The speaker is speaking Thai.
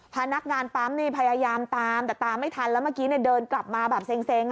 พนักงานปั๊มนี่พยายามตามแต่ตามไม่ทันแล้วเมื่อกี้เดินกลับมาแบบเซ็ง